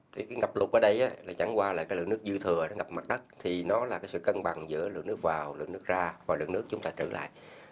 thứ nhất việc ngập lụt ở đây chẳng qua lượng nước dư thừa ngập mặt đất thì nó là sự cân bằng giữa lượng nước vào lượng nước ra và lượng nước chúng ta trữ lại